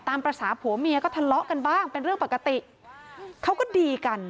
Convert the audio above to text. ตามประสาทผัวเมียก็ทะเลาะกันบ้างเป็นเรื่องปกติ